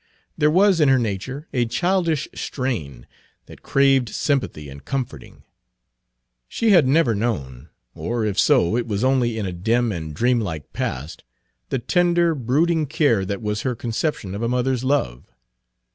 There was in her nature a childish strain that craved sympathy and comforting. She had never known or if so it was only in a dim and dreamlike past the tender, brooding care that was her conception of a mother's love.